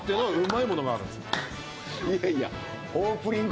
いやいや。